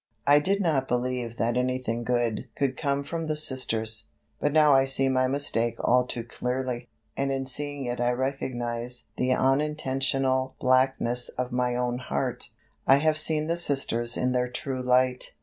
I did not believe that anything good could come from the Sisters. But now I see my mistake all too clearly, and in seeing it I recognize the unintentional blackness of my own heart. I have seen the Sisters in their true light.